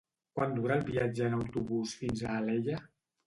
Quant dura el viatge en autobús fins a Alella?